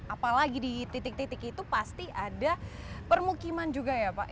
apalagi di titik titik itu pasti ada permukiman juga ya pak